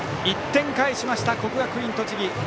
１点返しました、国学院栃木。